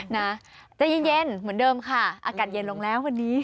นะใจเย็นเหมือนเดิมค่ะอากาศเย็นลงแล้ววันนี้